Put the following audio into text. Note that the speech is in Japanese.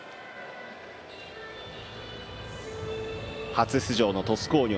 初出場の鳥栖工業。